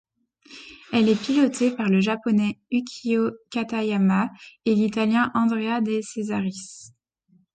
Elle est pilotée par le Japonais Ukyo Katayama et l'Italien Andrea De Cesaris.